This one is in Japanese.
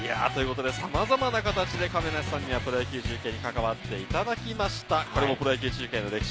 さまざまな形で、亀梨さんにはプロ野球中継に関わっていただきました。